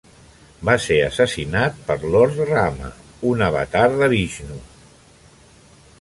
Va ser assassinat per Lord Rama, un avatar de Vishnu.